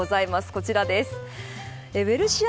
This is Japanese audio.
こちらです。